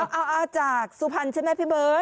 เอาจากสุพรรณใช่ไหมพี่เบิร์ต